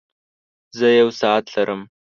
زۀ يو ساعت لرم.